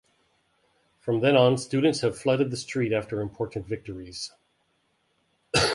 From then on, students have flooded the street after important victories.